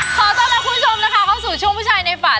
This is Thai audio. ขอต้อนรับคุณผู้ชมนะคะเข้าสู่ช่วงผู้ชายในฝัน